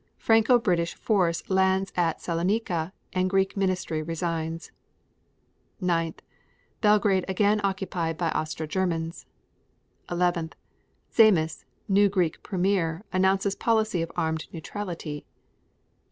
Franco British force lands at Salonika and Greek ministry resigns. 9. Belgrade again occupied by Austro Germans. 11. Zaimis, new Greek premier, announces policy of armed neutrality.